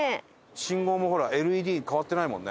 信号もほらＬＥＤに変わってないもんね。